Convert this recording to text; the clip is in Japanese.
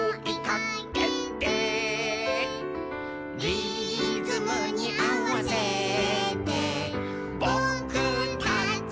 「リズムにあわせてぼくたちも」